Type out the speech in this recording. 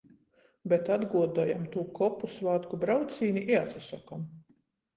Bet atguodojam tū kopu svātku braucīni i atsasokom.